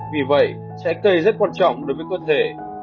vì vậy trái cây rất quan trọng đối với cơ thể